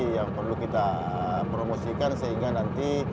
yang perlu kita promosikan sehingga nanti